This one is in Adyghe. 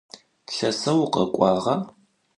Lheseu vukhek'uağa?